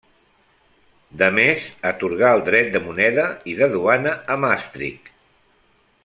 De més, atorgà el dret de moneda i de duana a Maastricht.